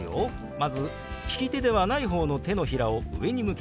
まず利き手ではない方の手のひらを上に向けます。